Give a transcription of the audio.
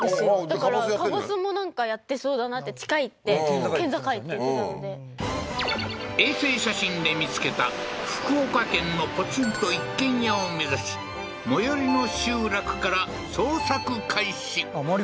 だからカボスもなんかやってそうだなって近いって県境って言ってたので衛星写真で見つけた福岡県のポツンと一軒家を目指し最寄りの集落から捜索開始周り